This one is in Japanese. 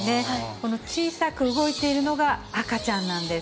この小さく動いているのが、赤ちゃんなんです。